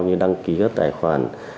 như đăng ký các tài khoản